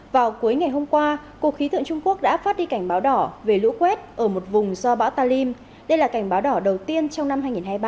vào cuối ngày hôm qua cục khí tượng trung quốc đã phát đi cảnh báo đỏ về lũ quét ở một vùng do bão talim đây là cảnh báo đỏ đầu tiên trong năm hai nghìn hai mươi ba